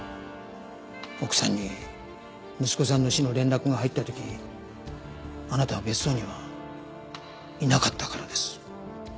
奥さんに息子さんの死の連絡が入った時あなたは別荘にはいなかったからです。